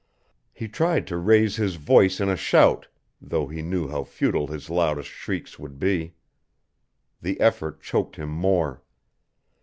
He tried to raise his voice in a shout, though he knew how futile his loudest shrieks would be. The effort choked him more.